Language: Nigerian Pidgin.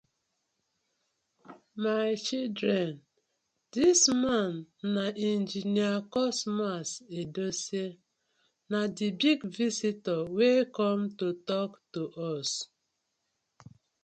My children, dis man na Engineer Cosmas Edosie, na di big visitor wey com to tok to us.